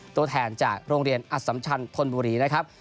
ตัวแทนจากโรงเรียนอสัมชันธนบุรีนะครับ